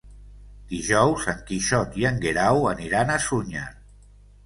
Dijous en Quixot i en Guerau aniran a Sunyer.